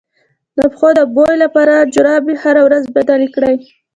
د پښو د بوی لپاره جرابې هره ورځ بدلې کړئ